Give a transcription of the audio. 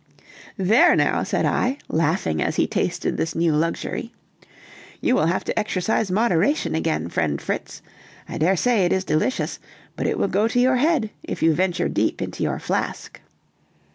"There now!" said I, laughing as he tasted this new luxury, "you will have to exercise moderation again, friend Fritz! I daresay it is delicious, but it will go to your head, if you venture deep into your flask."